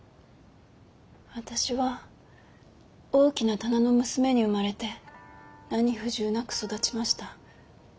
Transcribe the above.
私は大きな店の娘に生まれて何不自由なく育ちました。